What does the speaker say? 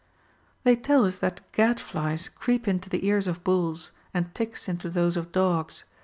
They tell us that gad flies creep into the ears of bulls, and ticks into those of dogs.